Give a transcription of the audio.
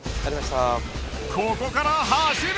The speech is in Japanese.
ここから走る！